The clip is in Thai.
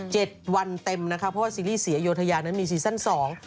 เจ็ดวันเต็มนะคะเพราะว่าซีรีส์เสียอโยธยานั้นมีซีซั่นสอง